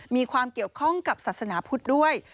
มีความเกี่ยวข้องกับศาสนาพุทธด้วย